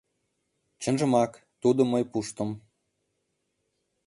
Чынжымак, тудым мый пуштым.